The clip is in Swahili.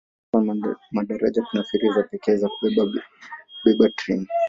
Pasipo madaraja kuna feri za pekee za kubeba treni.